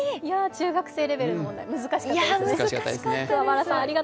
中学生レベルの問題難しかったですね。